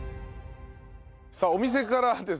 さあお店からですね